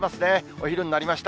お昼になりました。